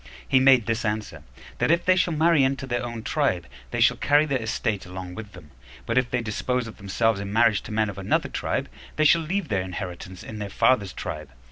He made this answer, That if they shall marry into their own tribe, they shall carry their estate along with them; but if they dispose of themselves in marriage to men of another tribe, they shall leave their inheritance in their father's tribe.